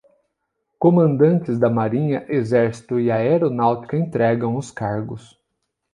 Comandantes da marinha, exército e aeronáutica entregam os cargos